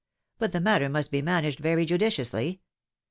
But the matter must be managed very judiciously.